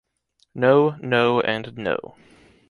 No, no and no.